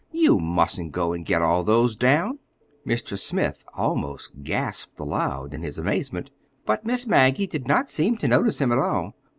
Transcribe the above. "You mustn't go and get all those down!" (Mr. Smith almost gasped aloud in his amazement, but Miss Maggie did not seem to notice him at all.)